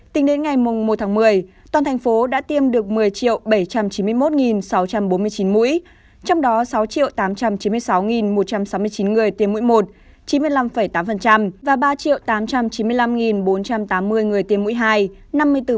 tính đến ngày một tháng một mươi toàn thành phố đã tiêm được một mươi bảy trăm chín mươi một sáu trăm bốn mươi chín mũi trong đó sáu tám trăm chín mươi sáu một trăm sáu mươi chín người tiêm mũi một chín mươi năm tám và ba tám trăm chín mươi năm bốn trăm tám mươi người tiêm mũi hai